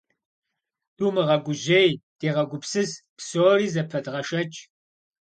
Думыгъэгужьей, дегъэгупсыс, псори зэпэдгъэшэч.